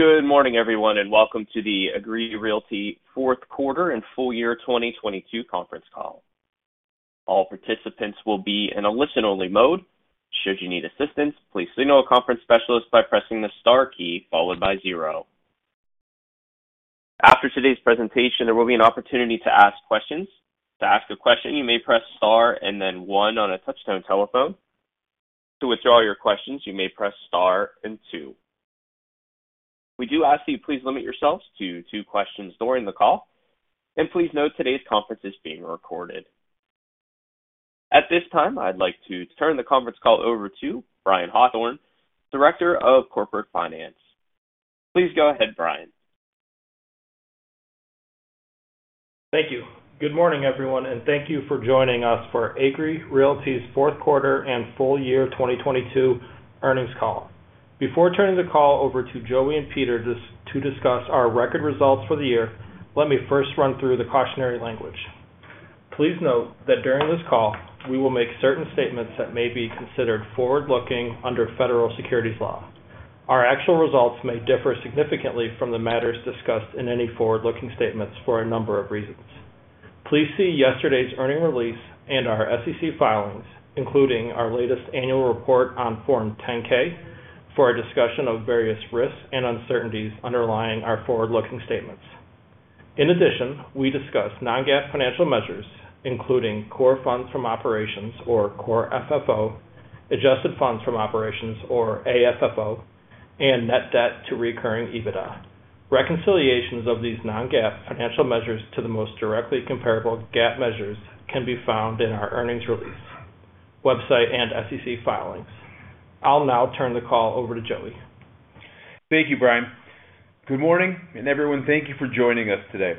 Good morning, everyone, and welcome to the Agree Realty Fourth Quarter and Full Year 2022 Conference Call. All participants will be in a listen-only mode. Should you need assistance, please signal a conference specialist by pressing the star key followed by zero. After today's presentation, there will be an opportunity to ask questions. To ask a question, you may press star and then one on a touch-tone telephone. To withdraw your questions, you may press Star and two. We do ask that you please limit yourselves to two questions during the call, and please note today's conference is being recorded. At this time, I'd like to turn the conference call over to Brian Hawthorne, Director of Corporate Finance. Please go ahead, Brian. Thank you. Good morning, everyone, and thank you for joining us for Agree Realty's Fourth Quarter and Full Year 2022 Earnings Call. Before turning the call over to Joey and Peter to discuss our record results for the year, let me first run through the cautionary language. Please note that during this call, we will make certain statements that may be considered forward-looking under federal securities law. Our actual results may differ significantly from the matters discussed in any forward-looking statements for a number of reasons. Please see yesterday's earnings release and our SEC filings, including our latest annual report on Form 10-K for a discussion of various risks and uncertainties underlying our forward-looking statements. We discuss non-GAAP financial measures, including core funds from operations or core FFO, adjusted funds from operations or AFFO, and net debt to recurring EBITDA. Reconciliations of these non-GAAP financial measures to the most directly comparable GAAP measures can be found in our earnings release, website, and SEC filings. I'll now turn the call over to Joey. Thank you, Brian. Good morning, and everyone, thank you for joining us today.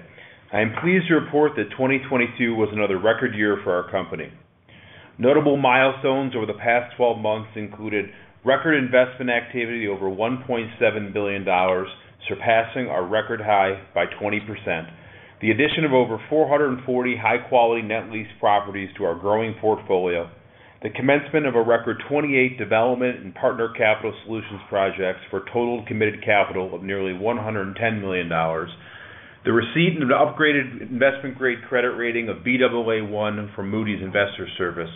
I am pleased to report that 2022 was another record year for our company. Notable milestones over the past 12 months included record investment activity over $1.7 billion, surpassing our record high by 20%. The addition of over 440 high-quality net lease properties to our growing portfolio. The commencement of a record 28 development and partner capital solutions projects for a total committed capital of nearly $110 million. The receipt of an upgraded investment-grade credit rating of Baa1 from Moody's Investors Service.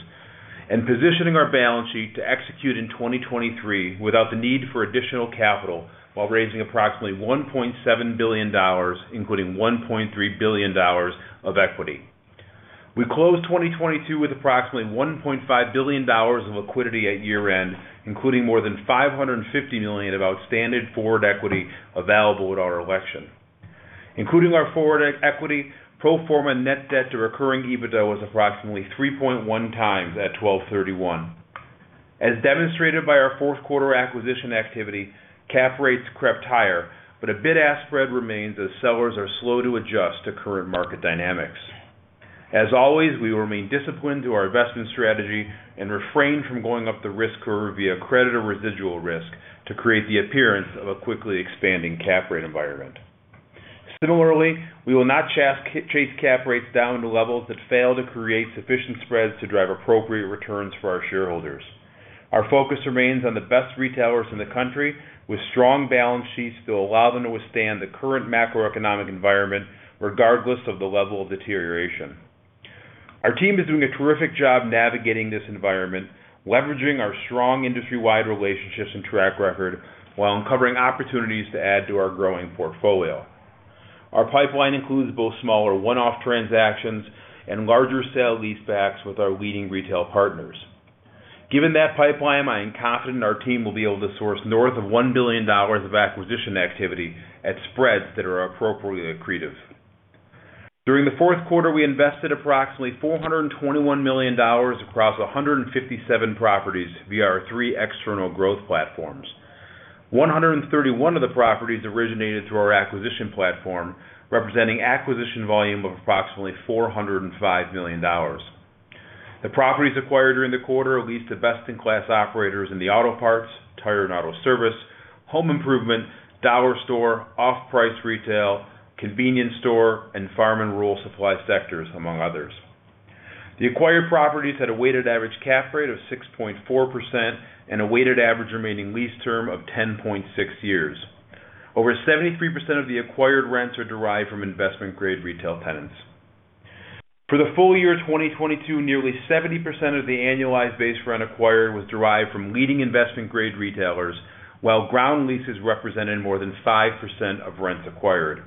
Positioning our balance sheet to execute in 2023 without the need for additional capital while raising approximately $1.7 billion, including $1.3 billion of equity. We closed 2022 with approximately $1.5 billion of liquidity at year-end, including more than $550 million of outstanding forward equity available at our election. Including our forward equity, pro forma net debt to recurring EBITDA was approximately three point one times at 12/31. As demonstrated by our fourth quarter acquisition activity, cap rates crept higher, but a bid-ask spread remains as sellers are slow to adjust to current market dynamics. As always, we remain disciplined to our investment strategy and refrain from going up the risk curve via credit or residual risk to create the appearance of a quickly expanding cap rate environment. Similarly, we will not chase cap rates down to levels that fail to create sufficient spreads to drive appropriate returns for our shareholders. Our focus remains on the best retailers in the country with strong balance sheets that allow them to withstand the current macroeconomic environment regardless of the level of deterioration. Our team is doing a terrific job navigating this environment, leveraging our strong industry-wide relationships and track record while uncovering opportunities to add to our growing portfolio. Our pipeline includes both smaller one-off transactions and larger sale leasebacks with our leading retail partners. Given that pipeline, I am confident our team will be able to source north of $1 billion of acquisition activity at spreads that are appropriately accretive. During the fourth quarter, we invested approximately $421 million across 157 properties via our three external growth platforms. 131 of the properties originated through our acquisition platform, representing acquisition volume of approximately $405 million. The properties acquired during the quarter leased to best-in-class operators in the auto parts, tire and auto service, home improvement, dollar store, off-price retail, convenience store, and farm and rural supply sectors, among others. The acquired properties had a weighted average cap rate of 6.4% and a weighted average remaining lease term of 10.6 years. Over 73% of the acquired rents are derived from investment-grade retail tenants. For the full year 2022, nearly 70% of the annualized base rent acquired was derived from leading investment-grade retailers, while ground leases represented more than 5% of rents acquired.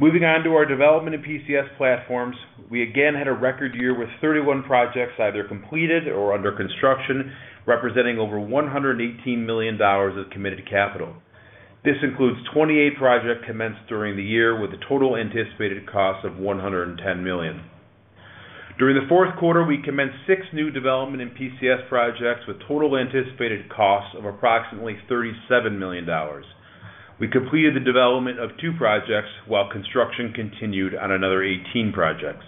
Moving on to our development in PCS platforms, we again had a record year with 31 projects either completed or under construction, representing over $118 million of committed capital. This includes 28 projects commenced during the year, with a total anticipated cost of $110 million. During the fourth quarter, we commenced six new development in PCS projects, with total anticipated costs of approximately $37 million. We completed the development of two projects, while construction continued on another 18 projects.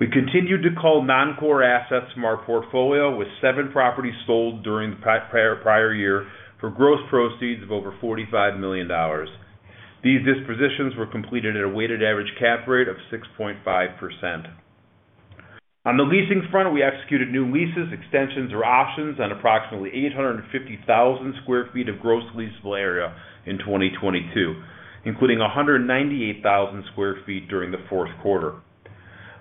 We continued to call non-core assets from our portfolio, with seven properties sold during the prior year for gross proceeds of over $45 million. These dispositions were completed at a weighted average cap rate of 6.5%. On the leasing front, we executed new leases, extensions, or options on approximately 850,000 sq ft of gross leasable area in 2022, including 198,000 sq ft during the fourth quarter.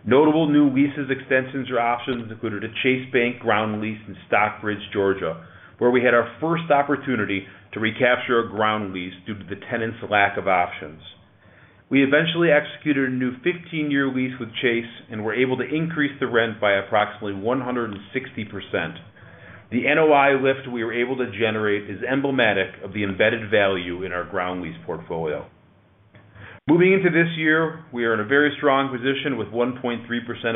Notable new leases, extensions or options included a Chase Bank ground lease in Stockbridge, Georgia, where we had our first opportunity to recapture a ground lease due to the tenant's lack of options. We eventually executed a new 15-year lease with Chase, and were able to increase the rent by approximately 160%. The NOI lift we were able to generate is emblematic of the embedded value in our ground lease portfolio. Moving into this year, we are in a very strong position with 1.3%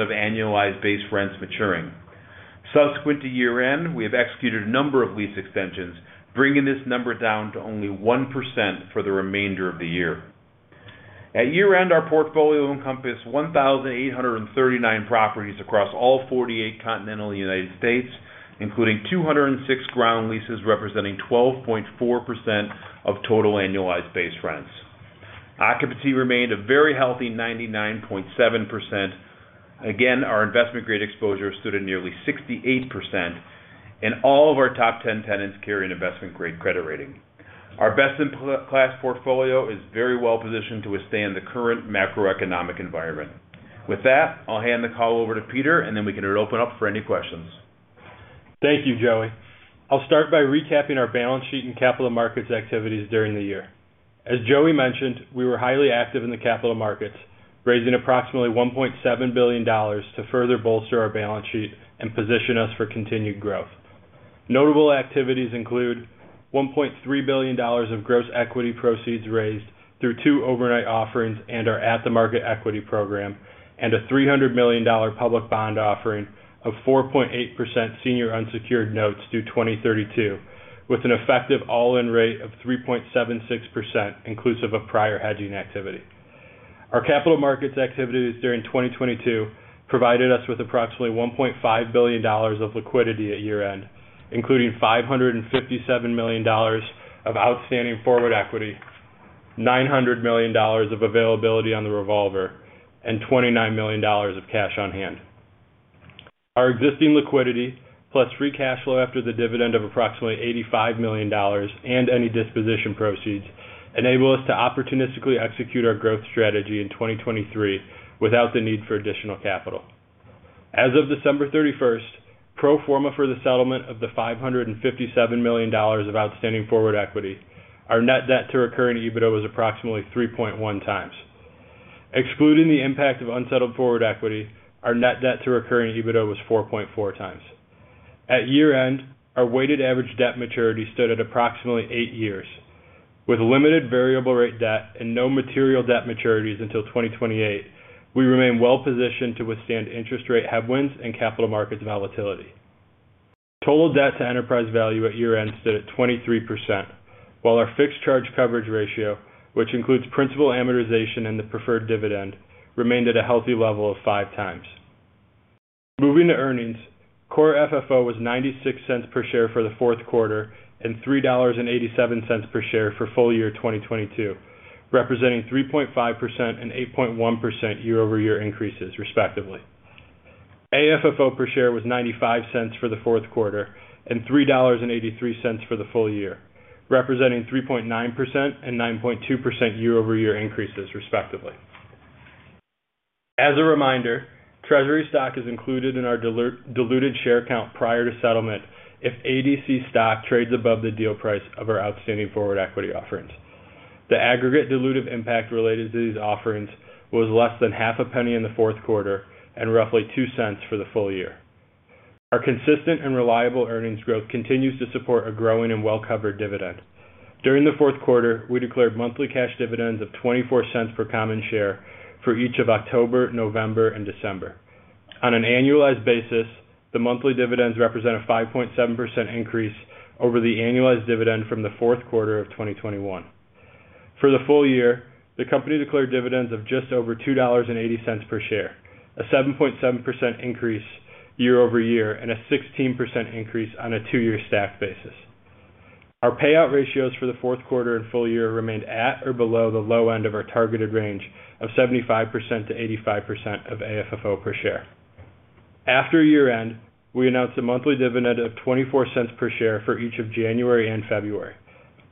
of annualized base rents maturing. Subsequent to year-end, we have executed a number of lease extensions, bringing this number down to only 1% for the remainder of the year. At year-end, our portfolio encompassed 1,839 properties across all 48 continental United States, including 206 ground leases, representing 12.4% of total annualized base rents. Occupancy remained a very healthy 99.7%. Our investment-grade exposure stood at nearly 68%, and all of our top 10 tenants carry an investment-grade credit rating. Our best-in-class portfolio is very well-positioned to withstand the current macroeconomic environment. With that, I'll hand the call over to Peter, and then we can open up for any questions. Thank you, Joey. I'll start by recapping our balance sheet and capital markets activities during the year. As Joey mentioned, we were highly active in the capital markets, raising approximately $1.7 billion to further bolster our balance sheet and position us for continued growth. Notable activities include $1.3 billion of gross equity proceeds raised through two overnight offerings and our at-the-market equity program, and a $300 million public bond offering of 4.8% senior unsecured notes due 2032, with an effective all-in rate of 3.76%, inclusive of prior hedging activity. Our capital markets activities during 2022 provided us with approximately $1.5 billion of liquidity at year-end, including $557 million of outstanding forward equity, $900 million of availability on the revolver, and $29 million of cash on hand. Our existing liquidity, plus free cash flow after the dividend of approximately $85 million and any disposition proceeds, enable us to opportunistically execute our growth strategy in 2023 without the need for additional capital. As of December 31st, pro forma for the settlement of the $557 million of outstanding forward equity, our net debt to recurring EBITDA was approximately 3.1 times. Excluding the impact of unsettled forward equity, our net debt to recurring EBITDA was 4.4 times. At year-end, our weighted average debt maturity stood at approximately eight years. With limited variable rate debt and no material debt maturities until 2028, we remain well-positioned to withstand interest rate headwinds and capital markets volatility. Total debt to enterprise value at year-end stood at 23%, while our fixed charge coverage ratio, which includes principal amortization and the preferred dividend, remained at a healthy level of five times. Moving to earnings, core FFO was $0.96 per share for the fourth quarter and $3.87 per share for full year 2022, representing 3.5% and 8.1% year-over-year increases, respectively. AFFO per share was $0.95 for the fourth quarter and $3.83 for the full year, representing 3.9% and 9.2% year-over-year increases, respectively. As a reminder, treasury stock is included in our diluted share count prior to settlement if ADC stock trades above the deal price of our outstanding forward equity offerings. The aggregate dilutive impact related to these offerings was less than half a penny in the fourth quarter and roughly $0.02 for the full year. Our consistent and reliable earnings growth continues to support a growing and well-covered dividend. During the fourth quarter, we declared monthly cash dividends of $0.24 per common share for each of October, November, and December. On an annualized basis, the monthly dividends represent a 5.7% increase over the annualized dividend from the fourth quarter of 2021. For the full year, the company declared dividends of just over $2.80 per share, a 7.7% increase year-over-year and a 16% increase on a two-year stack basis. Our payout ratios for the fourth quarter and full year remained at or below the low end of our targeted range of 75%-85% of AFFO per share. After year-end, we announced a monthly dividend of $0.24 per share for each of January and February.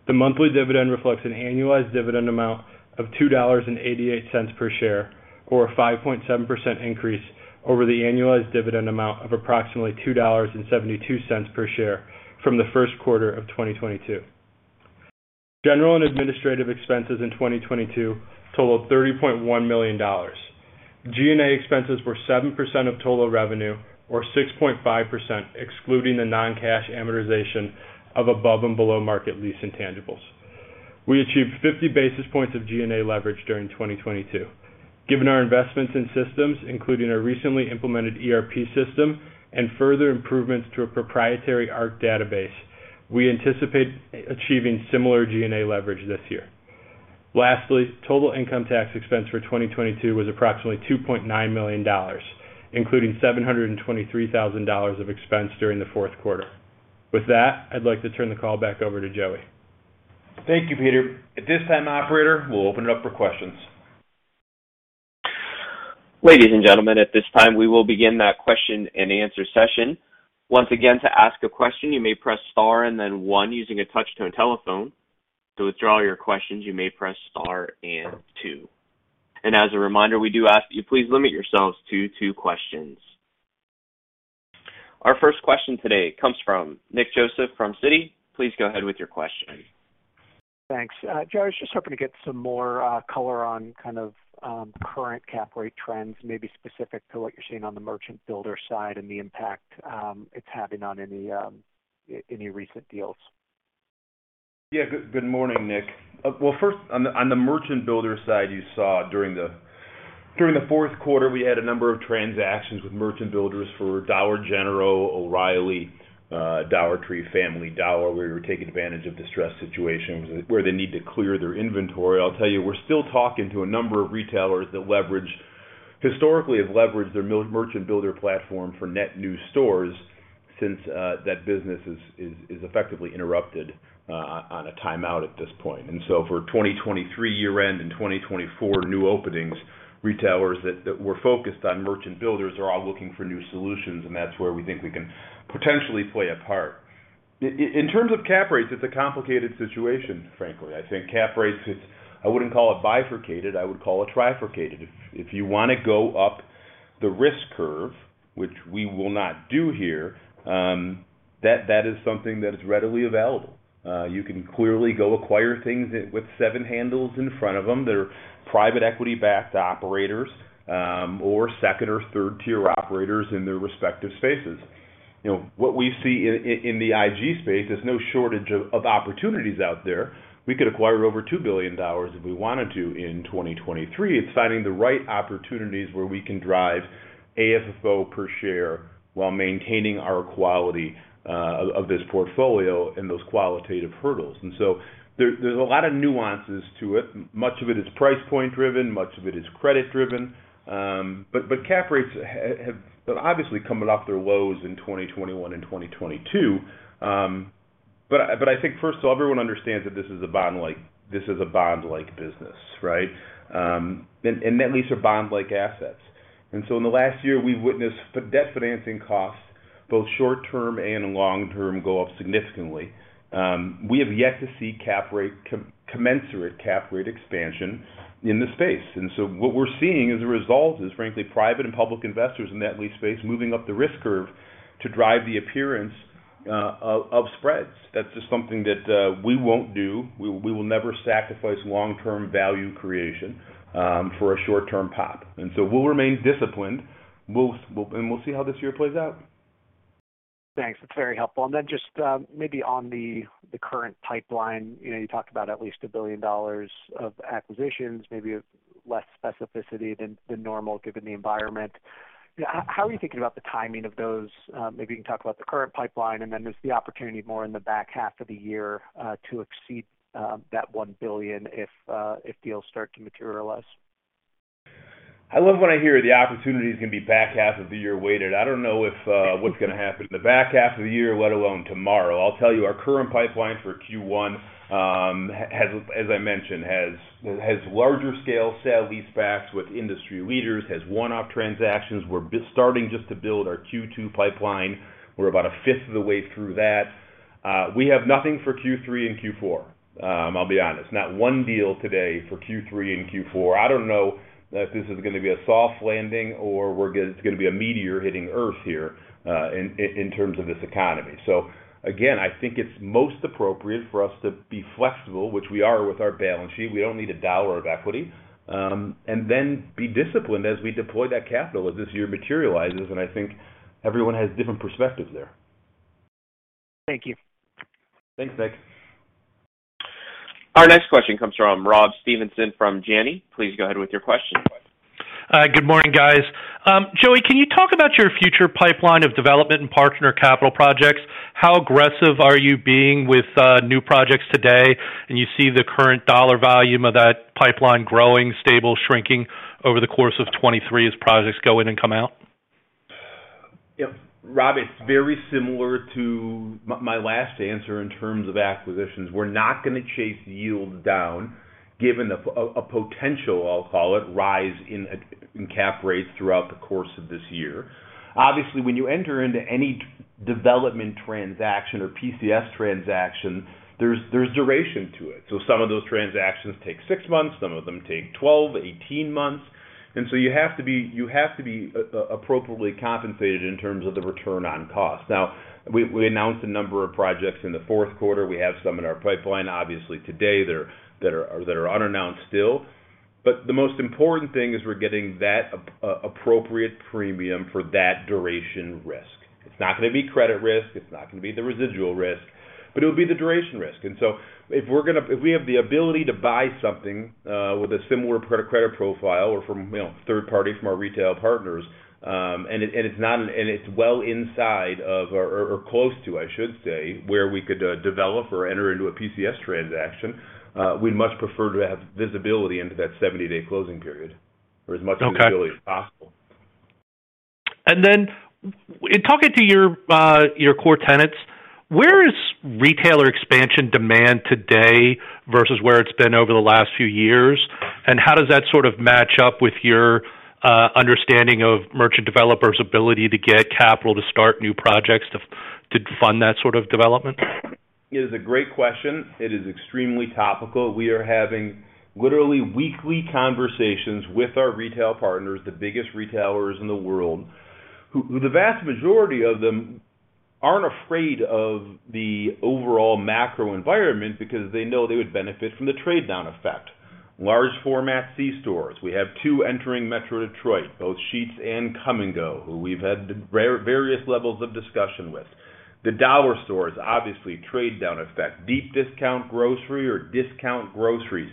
The monthly dividend reflects an annualized dividend amount of $2.88 per share or a 5.7% increase over the annualized dividend amount of approximately $2.72 per share from the first quarter of 2022. General and administrative expenses in 2022 totaled $30.1 million. G&A expenses were 7% of total revenue, or 6.5%, excluding the non-cash amortization of above and below-market lease intangibles. We achieved 50 basis points of G&A leverage during 2022. Given our investments in systems, including our recently implemented ERP system and further improvements to our proprietary ARC database, we anticipate achieving similar G&A leverage this year. Lastly, total income tax expense for 2022 was approximately $2.9 million, including $723,000 of expense during the fourth quarter. With that, I'd like to turn the call back over to Joey. Thank you, Peter. At this time, operator, we'll open it up for questions. Ladies and gentlemen, at this time, we will begin that question and answer session. Once again, to ask a question, you may press star and then one using a touch-tone telephone. To withdraw your questions, you may press star and two. As a reminder, we do ask you please limit yourselves to two questions. Our first question today comes from Nick Joseph from Citi. Please go ahead with your question. Thanks. Joe, I was just hoping to get some more color on kind of current cap rate trends, maybe specific to what you're seeing on the merchant builder side and the impact it's having on any recent deals. Yeah. Good morning, Nick. Well, first on the merchant builder side, you saw during the fourth quarter, we had a number of transactions with merchant builders for Dollar General, O'Reilly, Dollar Tree, Family Dollar. We were taking advantage of distressed situations where they need to clear their inventory. I'll tell you, we're still talking to a number of retailers that historically have leveraged their merchant builder platform for net new stores since that business is effectively interrupted on a timeout at this point. For 2023 year-end and 2024 new openings, retailers that were focused on merchant builders are all looking for new solutions, and that's where we think we can potentially play a part. In terms of cap rates, it's a complicated situation, frankly. I think cap rates is... I wouldn't call it bifurcated, I would call it trifurcated. If you wanna go up the risk curve, which we will not do here, that is something that is readily available. You can clearly go acquire things with seven handles in front of them that are private equity-backed operators, or second or third-tier operators in their respective spaces. You know, what we see in the IG space, there's no shortage of opportunities out there. We could acquire over $2 billion if we wanted to in 2023. It's finding the right opportunities where we can drive AFFO per share while maintaining our quality of this portfolio and those qualitative hurdles. There's a lot of nuances to it. Much of it is price point driven, much of it is credit driven. Cap rates have obviously coming off their lows in 2021 and 2022. I think first of all, everyone understands that this is a bond-like business, right? Net lease are bond-like assets. In the last year, we've witnessed debt financing costs, both short-term and long-term go up significantly. We have yet to see commensurate cap rate expansion in the space. What we're seeing as a result is frankly, private and public investors in the net lease space moving up the risk curve to drive the appearance of spreads. That's just something that we won't do. We will never sacrifice long-term value creation for a short-term pop. We'll remain disciplined. We'll see how this year plays out. Thanks. That's very helpful. Just, maybe on the current pipeline, you know, you talked about at least $1 billion of acquisitions, maybe of less specificity than normal given the environment. How are you thinking about the timing of those? Maybe you can talk about the current pipeline, then there's the opportunity more in the back half of the year, to exceed that $1 billion if deals start to materialize. I love when I hear the opportunities can be back half of the year weighted. I don't know if what's gonna happen in the back half of the year, let alone tomorrow. I'll tell you, our current pipeline for Q1, as I mentioned, has larger scale sale leasebacks with industry leaders, has one-off transactions. We're starting just to build our Q2 pipeline. We're about a fifth of the way through that. We have nothing for Q3 and Q4, I'll be honest. Not one deal today for Q3 and Q4. I don't know that this is gonna be a soft landing or it's gonna be a meteor hitting Earth here in terms of this economy. Again, I think it's most appropriate for us to be flexible, which we are with our balance sheet. We don't need a dollar of equity. Be disciplined as we deploy that capital as this year materializes, and I think everyone has different perspectives there. Thank you. Thanks, Nick. Our next question comes from Rob Stevenson from Janney. Please go ahead with your question. Good morning, guys. Joey, can you talk about your future pipeline of development and partner capital projects? How aggressive are you being with new projects today? You see the current dollar volume of that pipeline growing, stable, shrinking over the course of 23 as projects go in and come out? Yeah. Rob, it's very similar to my last answer in terms of acquisitions. We're not gonna chase yields down given a potential, I'll call it, rise in cap rates throughout the course of this year. Obviously, when you enter into any development transaction or PCS transaction, there's duration to it. Some of those transactions take six months, some of them take 12, 18 months. You have to be appropriately compensated in terms of the return on cost. We announced a number of projects in the fourth quarter. We have some in our pipeline, obviously today, that are unannounced still. The most important thing is we're getting that appropriate premium for that duration risk. It's not gonna be credit risk, it's not gonna be the residual risk, but it'll be the duration risk. If we have the ability to buy something with a similar credit profile or from, you know, third party from our retail partners, and it's well inside of or close to, I should say, where we could develop or enter into a PCS transaction, we'd much prefer to have visibility into that 70-day closing period or as much... Okay. visibility as possible. In talking to your core tenants, where is retailer expansion demand today versus where it's been over the last few years? How does that sort of match up with your understanding of merchant developers' ability to get capital to start new projects to fund that sort of development? It is a great question. It is extremely topical. We are having literally weekly conversations with our retail partners, the biggest retailers in the world, who the vast majority of them aren't afraid of the overall macro environment because they know they would benefit from the trade-down effect. Large format C stores. We have two entering Metro Detroit, both Sheetz and Kum & Go, who we've had various levels of discussion with. The Dollar stores, obviously trade-down effect. Deep discount grocery or discount groceries.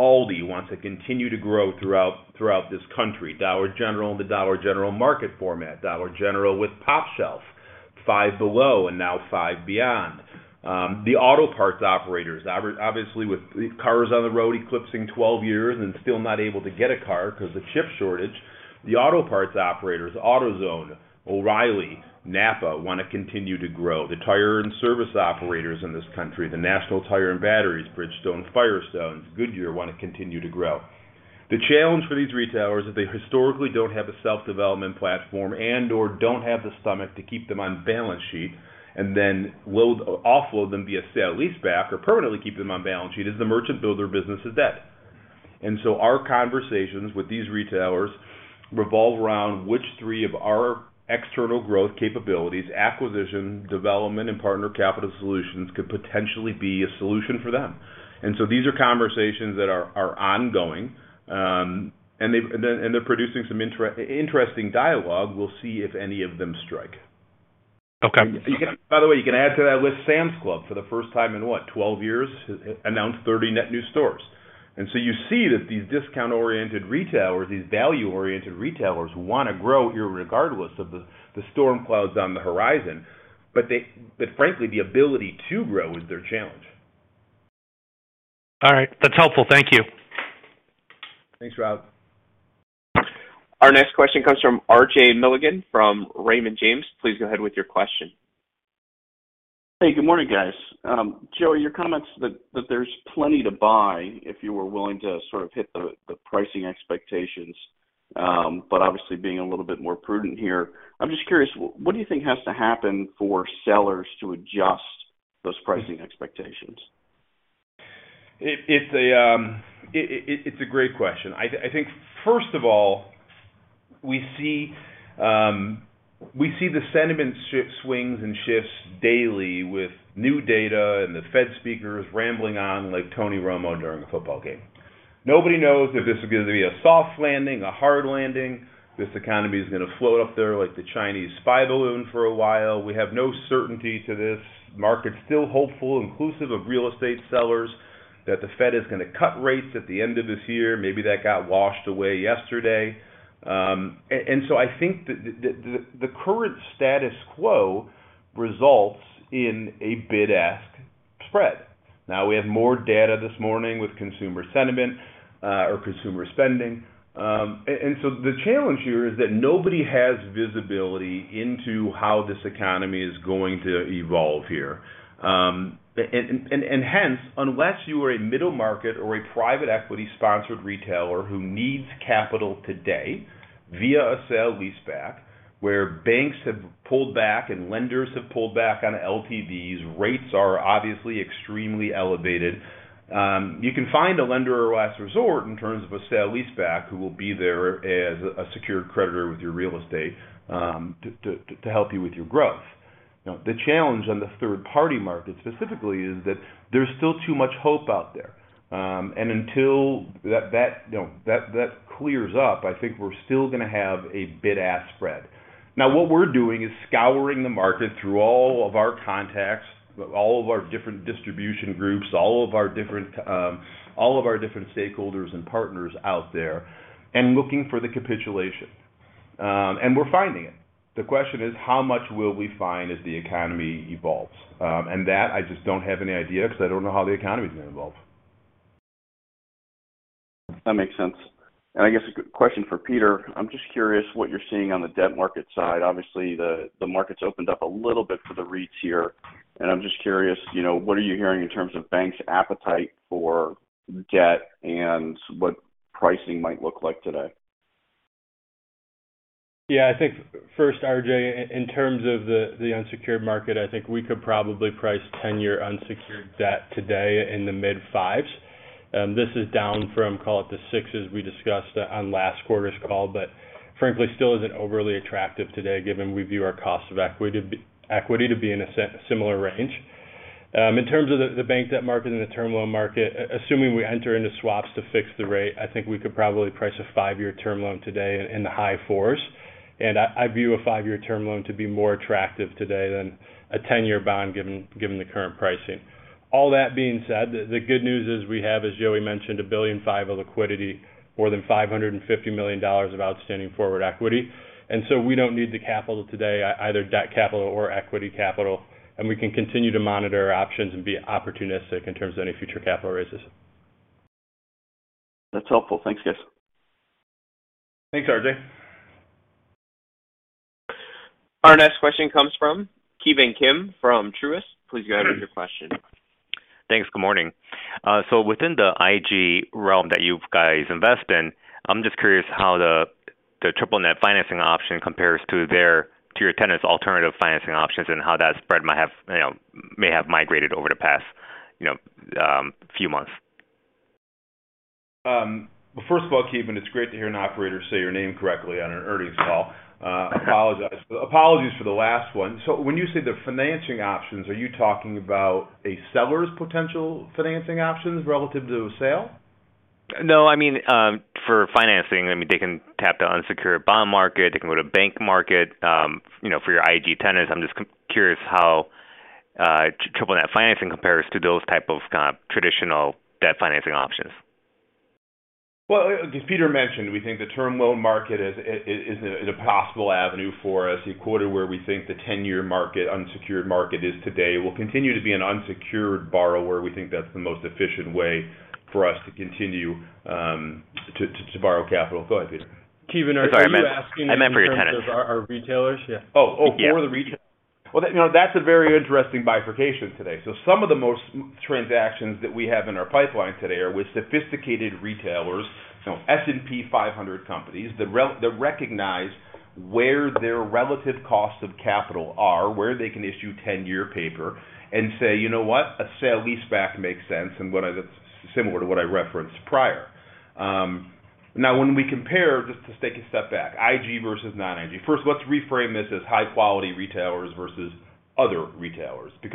ALDI wants to continue to grow throughout this country. Dollar General and the Dollar General Market format. Dollar General with pOpshelf. Five Below, and now Five Beyond. The auto parts operators. Obviously, with cars on the road eclipsing 12 years and still not able to get a car 'cause of the chip shortage. The auto parts operators, AutoZone, O'Reilly, NAPA, wanna continue to grow. The tire and service operators in this country, the National Tire and Batter, Bridgestone Firestone, Goodyear, wanna continue to grow. The challenge for these retailers is they historically don't have a self-development platform and/or don't have the stomach to keep them on balance sheet and then offload them via sale-leaseback or permanently keep them on balance sheet as the merchant builder business is debt. Our conversations with these retailers revolve around which three of our external growth capabilities, acquisition, development, and partner capital solutions, could potentially be a solution for them. These are conversations that are ongoing, and they're producing some interesting dialogue. We'll see if any of them strike. Okay. By the way, you can add to that list Sam's Club for the first time in what? 12 years, announced 30 net new stores. You see that these discount-oriented retailers, these value-oriented retailers wanna grow regardless of the storm clouds on the horizon. They... frankly, the ability to grow is their challenge. All right. That's helpful. Thank you. Thanks, Rob. Our next question comes from RJ Milligan from Raymond James. Please go ahead with your question. Hey, good morning, guys. Joey, your comments that there's plenty to buy if you were willing to sort of hit. pricing expectations, but obviously being a little bit more prudent here. I'm just curious, what do you think has to happen for sellers to adjust those pricing expectations? It's a great question. I think first of all, we see the sentiment swings and shifts daily with new data and the Fed speakers rambling on like Tony Romo during a football game. Nobody knows if this is gonna be a soft landing, a hard landing. This economy is gonna float up there like the Chinese spy balloon for a while. We have no certainty to this. Market's still hopeful, inclusive of real estate sellers, that the Fed is gonna cut rates at the end of this year. Maybe that got washed away yesterday. I think the current status quo results in a bid-ask spread. Now, we have more data this morning with consumer sentiment or consumer spending. The challenge here is that nobody has visibility into how this economy is going to evolve here. Unless you are a middle market or a private equity-sponsored retailer who needs capital today via a sale leaseback, where banks have pulled back and lenders have pulled back on LTVs, rates are obviously extremely elevated, you can find a lender or last resort in terms of a sale leaseback who will be there as a secured creditor with your real estate, to help you with your growth. Now, the challenge on the third-party market specifically is that there's still too much hope out there. Until that that clears up, I think we're still gonna have a bid-ask spread. Now, what we're doing is scouring the market through all of our contacts, all of our different distribution groups, all of our different, all of our different stakeholders and partners out there, and looking for the capitulation. We're finding it. The question is, how much will we find as the economy evolves? That, I just don't have any idea 'cause I don't know how the economy is gonna evolve. That makes sense. I guess a good question for Peter. I'm just curious what you're seeing on the debt market side. Obviously, the market's opened up a little bit for the REITs here. I'm just curious, you know, what are you hearing in terms of banks' appetite for debt and what pricing might look like today? Yeah. I think first, RJ, in terms of the unsecured market, I think we could probably price 10-year unsecured debt today in the mid-5s. This is down from, call it, the 6s we discussed on last quarter's call, but frankly, still isn't overly attractive today given we view our cost of equity equity to be in a similar range. In terms of the bank debt market and the term loan market, assuming we enter into swaps to fix the rate, I think we could probably price a 5-year term loan today in the high 4s. I view a five-year term loan to be more attractive today than a 10-year bond given the current pricing. All that being said, the good news is we have, as Joey mentioned, $1.5 billion of liquidity, more than $550 million of outstanding forward equity. We don't need the capital today, either debt capital or equity capital. We can continue to monitor our options and be opportunistic in terms of any future capital raises. That's helpful. Thanks, guys. Thanks, RJ. Our next question comes from Ki Bin Kim from Truist. Please go ahead with your question. Thanks. Good morning. Within the IG realm that you guys invest in, I'm just curious how the triple net financing option compares to your tenants' alternative financing options and how that spread may have migrated over the past, you know, few months. First of all, Keevan, it's great to hear an operator say your name correctly on an earnings call. Apologies for the last one. When you say the financing options, are you talking about a seller's potential financing options relative to a sale? For financing, they can tap the unsecured bond market. They can go to bank market. For your IG tenants, I'm just curious how triple net financing compares to those type of kind of traditional debt financing options. Well, as Peter mentioned, we think the term loan market is a possible avenue for us, a quarter where we think the 10-year market, unsecured market is today. Will continue to be an unsecured borrower. We think that's the most efficient way for us to continue to borrow capital. Go ahead, Peter. Ki Bin Kim, are you asking in terms of our retailers? Yeah. Oh. Oh. Yeah. Well, you know, that's a very interesting bifurcation today. Some of the most transactions that we have in our pipeline today are with sophisticated retailers, you know, S&P 500 companies, that recognize where their relative costs of capital are, where they can issue 10-year paper and say, "You know what? A sale leaseback makes sense," that's similar to what I referenced prior. Now when we compare, just to take a step back, IG versus non-IG. First, let's reframe this as high quality retailers versus other retailers. You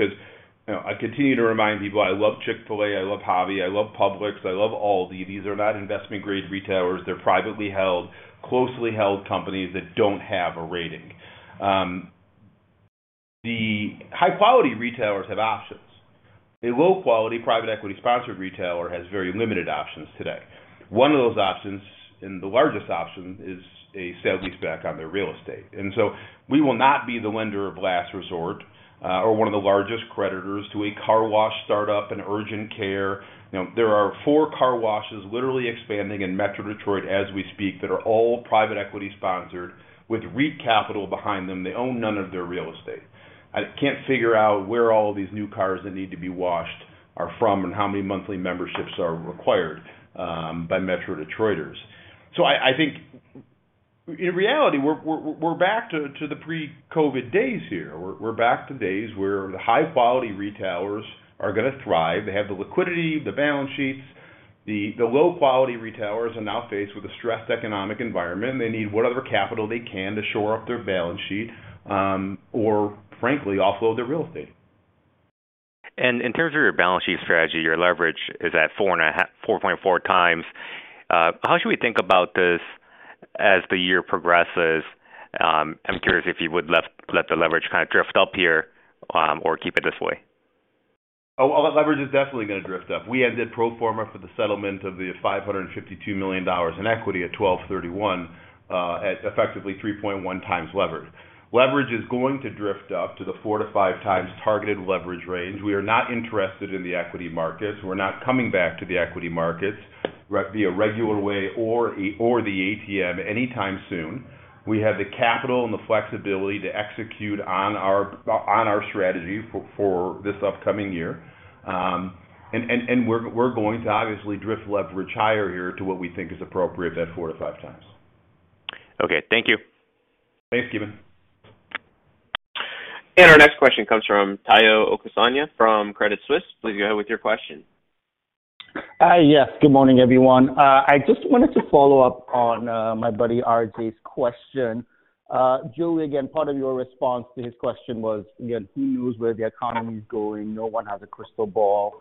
know, I continue to remind people I love Chick-fil-A, I love Hobby, I love Publix, I love ALDI. These are not investment grade retailers. They're privately held, closely held companies that don't have a rating. The high quality retailers have options. A low quality private equity sponsored retailer has very limited options today. One of those options, and the largest option, is a sale leaseback on their real estate. We will not be the lender of last resort, or one of the largest creditors to a car wash startup, an urgent care. You know, there are four car washes literally expanding in Metro Detroit as we speak that are all private equity sponsored with REIT capital behind them. They own none of their real estate. I can't figure out where all of these new cars that need to be washed are from and how many monthly memberships are required by Metro Detroiters. I think in reality, we're back to the pre-COVID days here. We're back to days where the high quality retailers are gonna thrive. They have the liquidity, the balance sheets. The low quality retailers are now faced with a stressed economic environment. They need what other capital they can to shore up their balance sheet, or frankly, offload their real estate. In terms of your balance sheet strategy, your leverage is at 4.4 times. How should we think about this as the year progresses? I'm curious if you would let the leverage kind of drift up here, or keep it this way. Leverage is definitely gonna drift up. We ended pro forma for the settlement of the $552 million in equity at 12/31, at effectively three point one times leverage. Leverage is going to drift up to the four to five times targeted leverage range. We are not interested in the equity markets. We're not coming back to the equity markets via regular way or the ATM anytime soon. We have the capital and the flexibility to execute on our strategy for this upcoming year. And we're going to obviously drift leverage higher here to what we think is appropriate at four to five times. Okay, thank you. Thanks, Ki Bin. Our next question comes from Tayo Okusanya from Credit Suisse. Please go ahead with your question. Yes. Good morning, everyone. I just wanted to follow up on my buddy RJ's question. Julie, again, part of your response to his question was, again, who knows where the economy is going. No one has a crystal ball.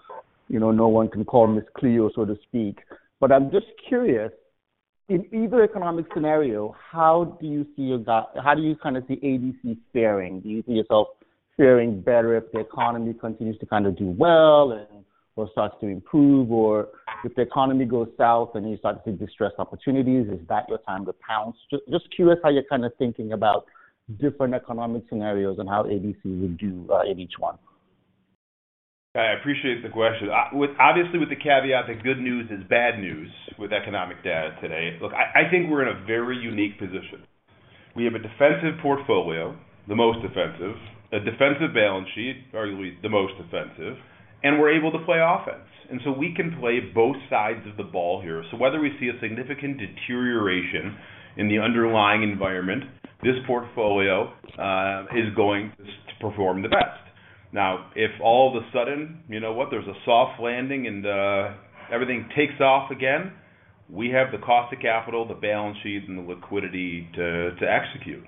You know, no one can call Miss Cleo, so to speak. I'm just curious, in either economic scenario, how do you kind of see ABC faring? Do you see yourself faring better if the economy continues to kind of do well and/or starts to improve, or if the economy goes south and you start to see distressed opportunities, is that your time to pounce? Just curious how you're kind of thinking about different economic scenarios and how ABC will do in each one. I appreciate the question. Obviously, with the caveat that good news is bad news with economic data today. Look, I think we're in a very unique position. We have a defensive portfolio, the most defensive, a defensive balance sheet, arguably the most defensive, and we're able to play offense. We can play both sides of the ball here. Whether we see a significant deterioration in the underlying environment, this portfolio is going to perform the best. Now, if all of a sudden, you know what? There's a soft landing and everything takes off again, we have the cost of capital, the balance sheets, and the liquidity to execute.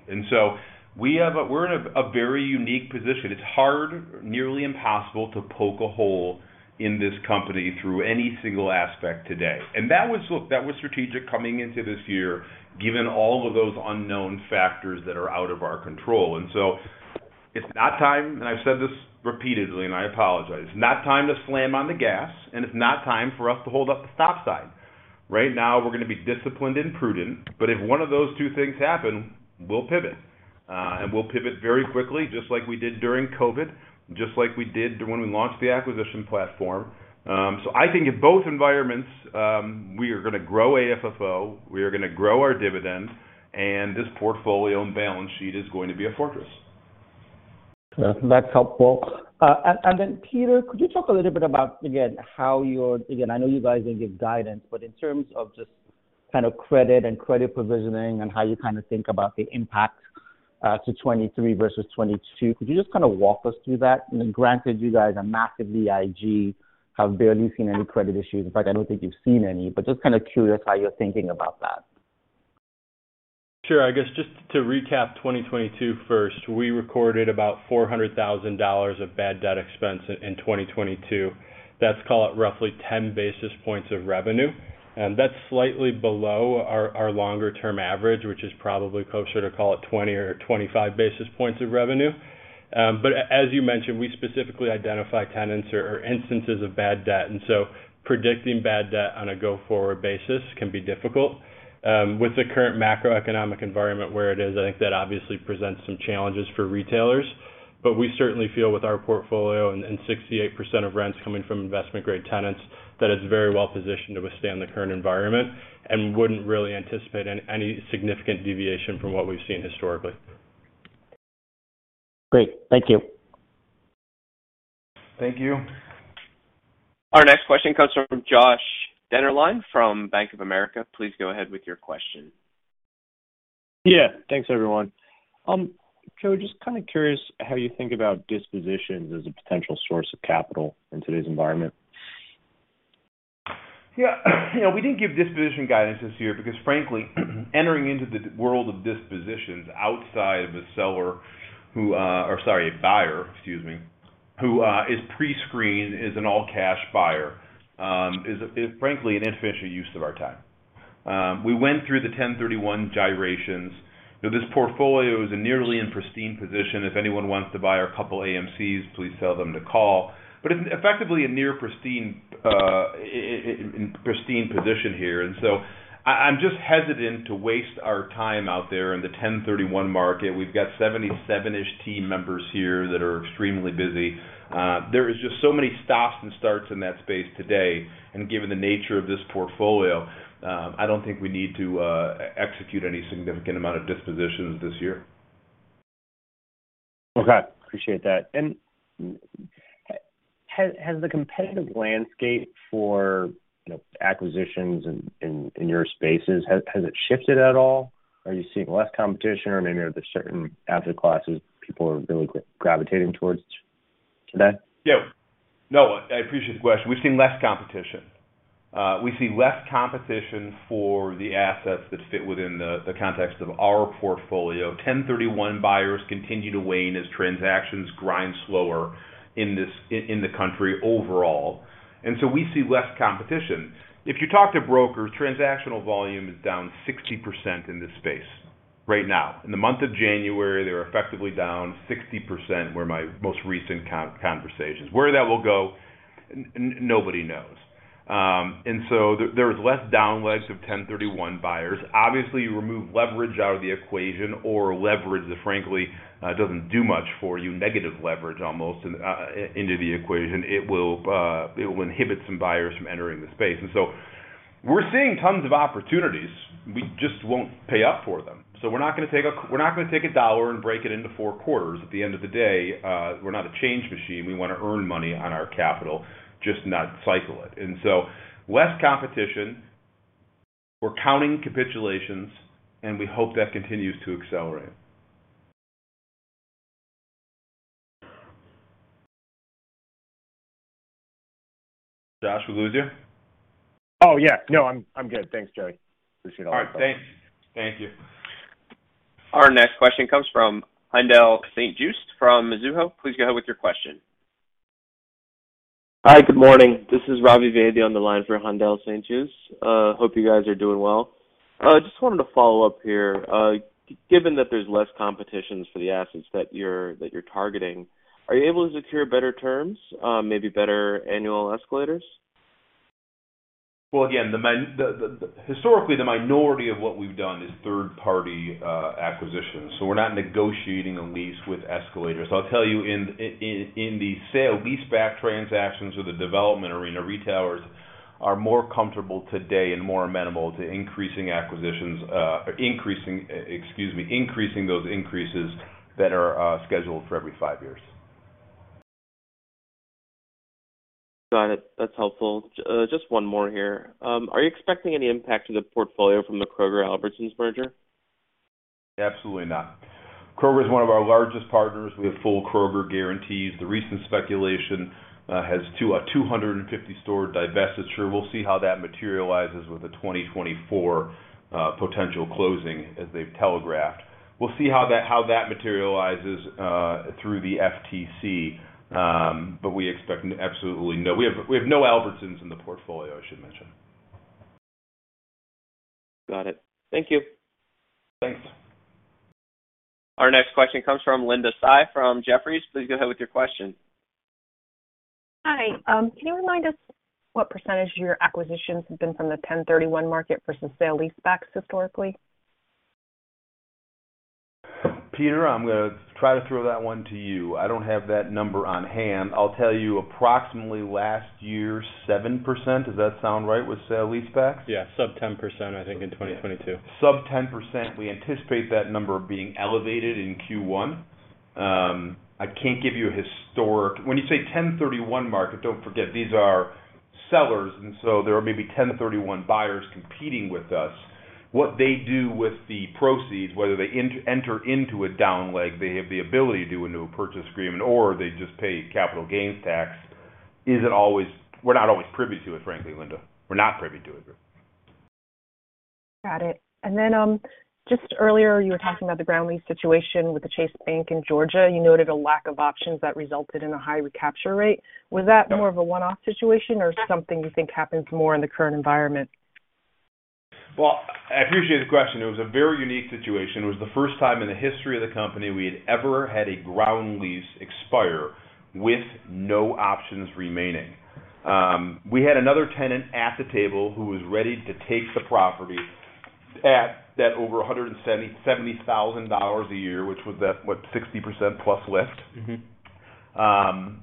We're in a very unique position. It's hard, nearly impossible to poke a hole in this company through any single aspect today. And that was... Look, that was strategic coming into this year, given all of those unknown factors that are out of our control. It's not time, and I've said this repeatedly, and I apologize, it's not time to slam on the gas, and it's not time for us to hold up the stop sign. Right now, we're gonna be disciplined and prudent, but if one of those two things happen, we'll pivot. We'll pivot very quickly, just like we did during COVID, just like we did when we launched the acquisition platform. I think in both environments, we are gonna grow AFFO, we are gonna grow our dividend, and this portfolio and balance sheet is going to be a fortress. That's helpful. Then Peter, could you talk a little bit about, again, I know you guys didn't give guidance, but in terms of just kind of credit and credit provisioning and how you kind of think about the impact, to 2023 versus 2022, could you just kind of walk us through that? Then granted, you guys are massive IG, have barely seen any credit issues. In fact, I don't think you've seen any. Just kind of curious how you're thinking about that. Sure. I guess just to recap 2022 first. We recorded about $400,000 of bad debt expense in 2022. That's, call it, roughly 10 basis points of revenue. That's slightly below our longer term average, which is probably closer to, call it, 20 or 25 basis points of revenue. As you mentioned, we specifically identify tenants or instances of bad debt, and so predicting bad debt on a go-forward basis can be difficult. With the current macroeconomic environment where it is, I think that obviously presents some challenges for retailers. We certainly feel with our portfolio and 68% of rents coming from investment-grade tenants, that it's very well positioned to withstand the current environment and wouldn't really anticipate any significant deviation from what we've seen historically. Great. Thank you. Thank you. Our next question comes from Josh Dennerlein from Bank of America. Please go ahead with your question. Thanks, everyone. Joe, just kind of curious how you think about dispositions as a potential source of capital in today's environment. Yeah. You know, we didn't give disposition guidance this year because frankly, entering into the world of dispositions outside the seller who, or sorry, a buyer, excuse me, who is pre-screened as an all-cash buyer, is frankly an inefficient use of our time. We went through the 1031 gyrations. You know, this portfolio is in nearly pristine position. If anyone wants to buy our couple AMCs, please tell them to call. It's effectively a near pristine position here. I'm just hesitant to waste our time out there in the 1031 market. We've got 77-ish team members here that are extremely busy. There is just so many stops and starts in that space today, and given the nature of this portfolio, I don't think we need to execute any significant amount of dispositions this year. Okay. Appreciate that. Has the competitive landscape for, you know, acquisitions in your spaces, has it shifted at all? Are you seeing less competition or maybe are there certain asset classes people are really gravitating towards to that? Yeah. No, I appreciate the question. We've seen less competition. We see less competition for the assets that fit within the context of our portfolio. 1031 buyers continue to wane as transactions grind slower in the country overall. We see less competition. If you talk to brokers, transactional volume is down 60% in this space right now. In the month of January, they were effectively down 60% were my most recent conversations. Where that will go, nobody knows. There is less down ledge of 1031 buyers. Obviously, you remove leverage out of the equation or leverage that frankly, doesn't do much for you, negative leverage almost, into the equation. It will inhibit some buyers from entering the space. We're seeing tons of opportunities. We just won't pay up for them. We're not gonna take a dollar and break it into fourth quarters. At the end of the day, we're not a change machine. We wanna earn money on our capital, just not cycle it. Less competition. We're counting capitulations, and we hope that continues to accelerate. Josh, we lose you? Oh, yeah. No, I'm good. Thanks, Joey. Appreciate all. All right. Thanks. Thank you. Our next question comes from Haendel St. Juste from Mizuho. Please go ahead with your question. Hi, good morning. This is Ravi Vaidya on the line for Haendel St. Juste. Hope you guys are doing well. Just wanted to follow up here. Given that there's less competitions for the assets that you're targeting, are you able to secure better terms, maybe better annual escalators? Well, again, the historically, the minority of what we've done is third-party acquisitions, so we're not negotiating a lease with escalators. I'll tell you, in the sale leaseback transactions or the development arena, retailers are more comfortable today and more amenable to increasing acquisitions, increasing, excuse me, increasing those increases that are scheduled for every five years. Got it. That's helpful. Just one more here. Are you expecting any impact to the portfolio from the Kroger-Albertsons merger? Absolutely not. Kroger is one of our largest partners. We have full Kroger guarantees. The recent speculation has 250 store divesture. We'll see how that materializes with the 2024 potential closing as they've telegraphed. We'll see how that materializes through the FTC. We expect absolutely no... We have no Albertsons in the portfolio, I should mention. Got it. Thank you. Thanks. Our next question comes from Linda Tsai from Jefferies. Please go ahead with your question. Hi. Can you remind us what percentage of your acquisitions have been from the 1031 market versus sale-leasebacks historically? Peter, I'm gonna try to throw that one to you. I don't have that number on hand. I'll tell you approximately last year, 7%. Does that sound right with sale-leasebacks? Yeah, sub 10%, I think, in 2022. Sub 10%. We anticipate that number being elevated in Q1. I can't give you a historic. When you say 1031 market, don't forget these are sellers, and so there are maybe 1031 buyers competing with us. What they do with the proceeds, whether they enter into a down leg, they have the ability to do a new purchase agreement, or they just pay capital gains tax. We're not always privy to it, frankly, Linda. We're not privy to it. Got it. Just earlier, you were talking about the ground lease situation with the Chase Bank in Georgia. You noted a lack of options that resulted in a high recapture rate. Was that more of a one-off situation or something you think happens more in the current environment? Well, I appreciate the question. It was a very unique situation. It was the first time in the history of the company we had ever had a ground lease expire with no options remaining. We had another tenant at the table who was ready to take the property at that over $170,000 a year, which was that, what, 60% plus lift. Mm-hmm.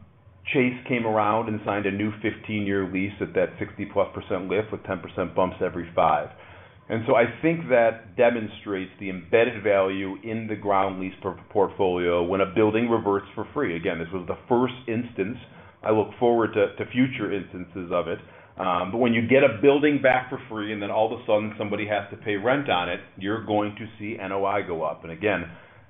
Chase came around and signed a new 15-year lease at that 60%+ lift with 10% bumps every five. I think that demonstrates the embedded value in the ground lease portfolio when a building reverts for free. Again, this was the first instance. I look forward to future instances of it. When you get a building back for free and then all of a sudden somebody has to pay rent on it, you're going to see NOI go up.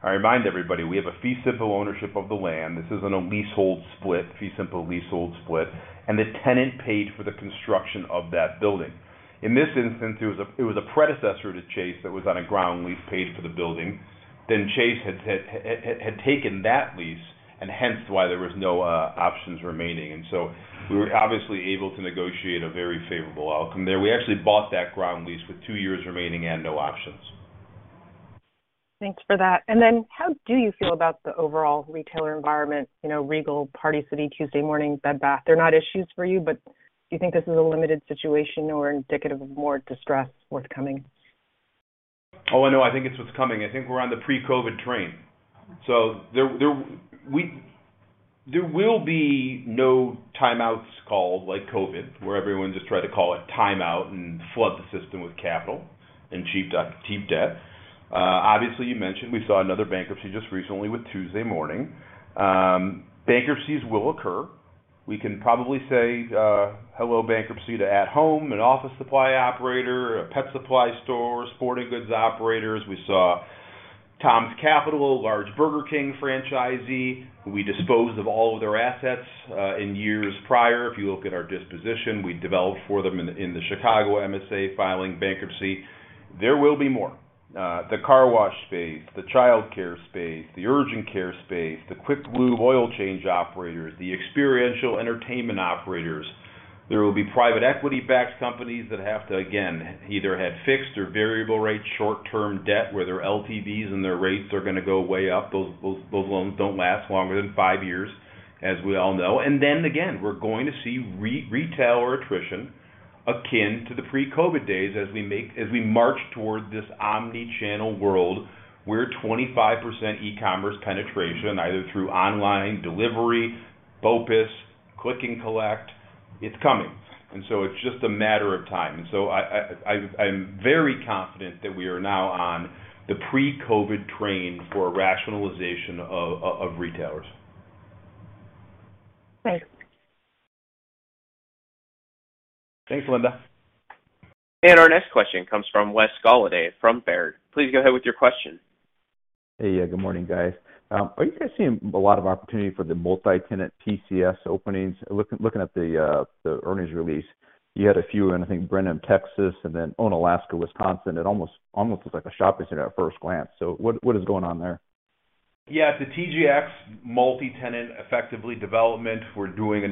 I remind everybody, we have a fee simple ownership of the land. This isn't a leasehold split, fee simple leasehold split, and the tenant paid for the construction of that building. In this instance, it was a predecessor to Chase that was on a ground lease paid for the building. Chase had taken that lease and hence why there was no options remaining. We were obviously able to negotiate a very favorable outcome there. We actually bought that ground lease with two years remaining and no options. Thanks for that. How do you feel about the overall retailer environment? You know, Regal, Party City, Tuesday Morning, Bed Bath. They're not issues for you, but do you think this is a limited situation or indicative of more distress forthcoming? Oh, I know. I think it's what's coming. I think we're on the pre-COVID train. There will be no timeouts called like COVID, where everyone just tried to call a timeout and flood the system with capital and cheap debt. Obviously, you mentioned we saw another bankruptcy just recently with Tuesday Morning. Bankruptcies will occur. We can probably say, hello bankruptcy to At Home, an office supply operator, a pet supply store, sporting goods operators. We saw TOMS King, a large Burger King franchisee, who we disposed of all of their assets in years prior. If you look at our disposition, we developed for them in the Chicago MSA filing bankruptcy. There will be more. The car wash space, the childcare space, the urgent care space, the Quick Lube oil change operators, the experiential entertainment operators. There will be private equity-backed companies that have to, again, either had fixed or variable rate short-term debt where their LTVs and their rates are gonna go way up. Those loans don't last longer than five years, as we all know. Then again, we're going to see re-retail or attrition akin to the pre-COVID days as we march toward this omni-channel world, where 25% e-commerce penetration, either through online delivery, BOPUS, click and collect, it's coming. It's just a matter of time. I'm very confident that we are now on the pre-COVID train for a rationalization of retailers. Thanks. Thanks, Linda. Our next question comes from Wes Golladay from Baird. Please go ahead with your question. Hey. Good morning, guys. Are you guys seeing a lot of opportunity for the multi-tenant TCS openings? Looking at the earnings release, you had a few in, I think, Brenham, Texas, and then Onalaska, Wisconsin. It almost looks like a shopping center at first glance. What is going on there? Yeah. The TJX multi-tenant effectively development, we're doing a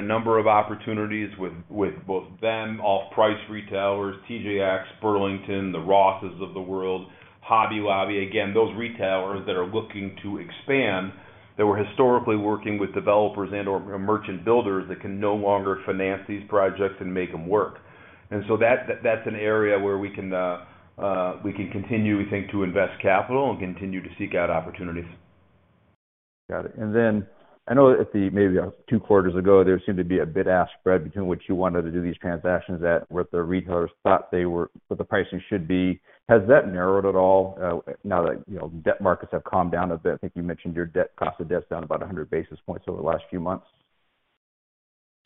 number of opportunities with both them, off-price retailers, TJX, Burlington, the Rosses of the world, Hobby Lobby. Again, those retailers that are looking to expand, that were historically working with developers and/or merchant builders that can no longer finance these projects and make them work. That's an area where we can continue, we think, to invest capital and continue to seek out opportunities. Got it. I know maybe two quarters ago, there seemed to be a bid-ask spread between what you wanted to do these transactions at, what the retailers thought what the pricing should be. Has that narrowed at all, now that, you know, debt markets have calmed down a bit? I think you mentioned cost of debt is down about 100 basis points over the last few months.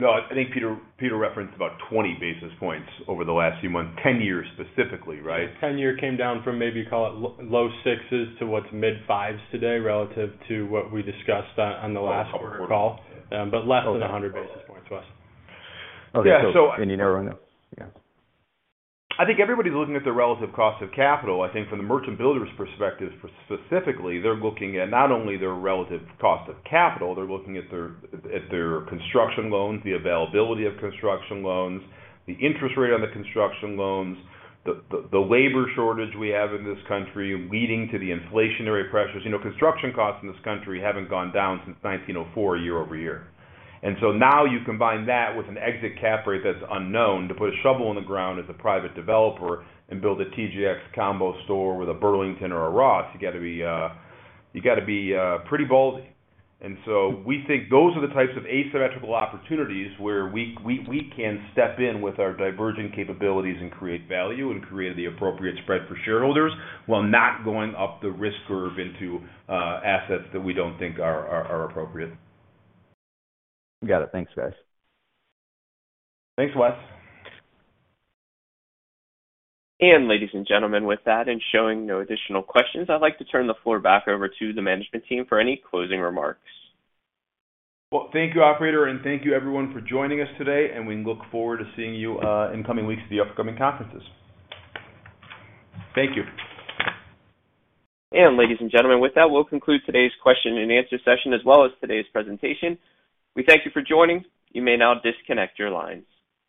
I think Peter referenced about 20 basis points over the last few months. 10-year specifically, right? 10-year came down from maybe call it low sixes to what's mid fives today relative to what we discussed on the last quarter call. Less than 100 basis points, Wes. Okay. any narrowing, yeah. I think everybody's looking at the relative cost of capital. I think from the merchant builder's perspective specifically, they're looking at not only their relative cost of capital, they're looking at their construction loans, the availability of construction loans, the interest rate on the construction loans, the labor shortage we have in this country leading to the inflationary pressures. You know, construction costs in this country haven't gone down since 1904 year-over-year. Now you combine that with an exit cap rate that's unknown to put a shovel in the ground as a private developer and build a TJX combo store with a Burlington or a Ross. You gotta be pretty bold. We think those are the types of asymmetrical opportunities where we can step in with our diverging capabilities and create value and create the appropriate spread for shareholders while not going up the risk curve into assets that we don't think are appropriate. Got it. Thanks, guys. Thanks, Wes. Ladies and gentlemen, with that and showing no additional questions, I'd like to turn the floor back over to the management team for any closing remarks. Well, thank you, operator, and thank you everyone for joining us today, and we look forward to seeing you, in coming weeks at the upcoming conferences. Thank you. Ladies and gentlemen, with that, we'll conclude today's question and answer session as well as today's presentation. We thank you for joining. You may now disconnect your lines.